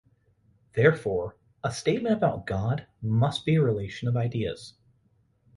Therefore, a statement about God must be a relation of ideas.